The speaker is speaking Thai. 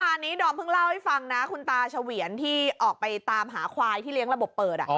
อันนี้ดอมเพิ่งเล่าให้ฟังนะคุณตาเฉวียนที่ออกไปตามหาควายที่เลี้ยงระบบเปิด